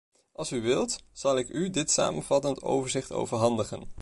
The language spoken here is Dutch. Als u wilt, zal ik u dit samenvattend overzicht overhandigen.